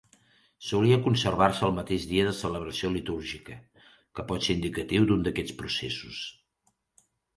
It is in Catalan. Solia conservar-se el mateix dia de celebració litúrgica, que pot ser indicatiu d'un d'aquests processos.